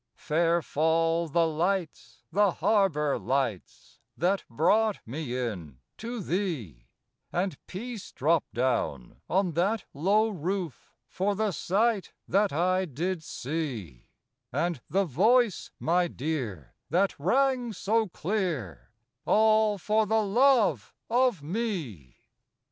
Fair fall the lights, the harbor lights, That brought me in to thee, And peace drop down on that low roof For the sight that I did see, And the voice, my dear, that rang so clear All for the love of me.